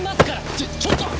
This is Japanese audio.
ちょちょっと！